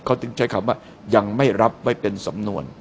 เขาถึงใช้คำว่ายังไม่รับไว้เป็นสำนวน